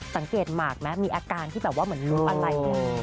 สังเกตมากมั้ยมีอาการที่แบบว่าเหมือนรู้อะไร